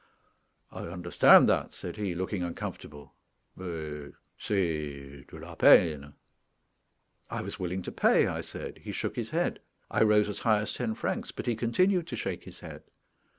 "I understand that," said he, looking uncomfortable; "mais c'est de la peine." I was willing to pay, I said. He shook his head. I rose as high as ten francs; but he continued to shake his head.